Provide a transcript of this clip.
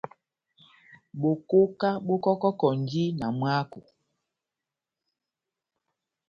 Bokoka bó kɔkɔkɔndi na mwáko.